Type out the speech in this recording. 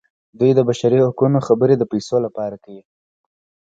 دوی د بشري حقونو خبرې د پیسو لپاره کوي.